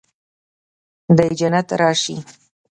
د جنت راشي